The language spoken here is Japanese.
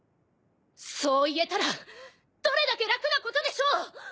そう言えたらどれだけ楽なことでしょう！